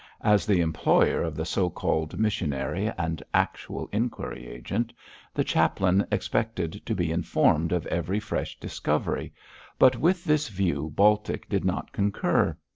As the employer of the so called missionary and actual inquiry agent, the chaplain expected to be informed of every fresh discovery, but with this view Baltic did not concur.